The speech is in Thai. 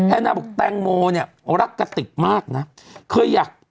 แอนนาบอกแตงโมรักกะติกมากนะ